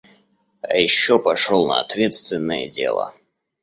А ещё пошёл на ответственное дело.